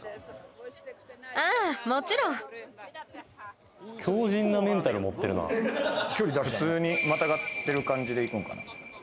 ああー強じんなメンタル持ってるな普通にまたがってる感じでいくんかな？